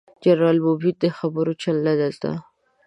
جنرال مبين ده خبرو چل نه دې زده.